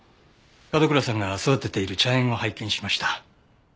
角倉さんが育てている茶園を拝見しました。